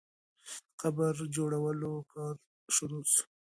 د قبر جوړولو کار شروع سو.